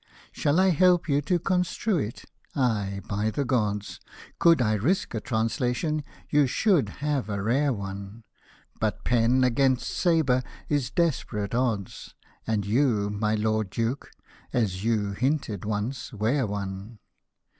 Shall I help you to construe it ? ay, by the Gods, Could I risk a translation, you should have a rare one ; But pen against sabre is desperate odds, And you, my Lord Duke (as you hinted once), wear one.